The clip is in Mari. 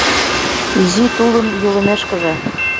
Изи тулын йӱлымешкыже